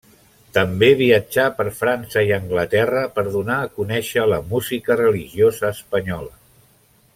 També viatjà per França i Anglaterra per donar a conèixer la música religiosa espanyola.